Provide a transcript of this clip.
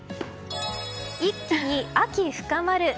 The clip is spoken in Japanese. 一気に秋深まる。